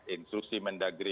instruksi mendagri empat